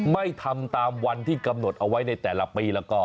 ไม่ทำตามวันที่กำหนดเอาไว้ในแต่ละปีแล้วก็